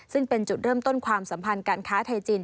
ซึ่งเป็นจุดเริ่มต้นความสัมพันธ์การค้าไทยจีน